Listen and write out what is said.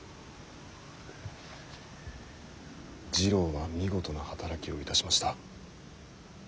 次郎は見事な働きをいたしました。